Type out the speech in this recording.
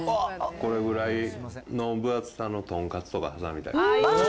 これぐらいの分厚さの豚カツとか挟みたい。